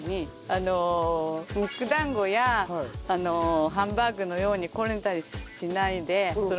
あの肉団子やハンバーグのようにこねたりしないでそのまま。